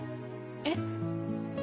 えっ？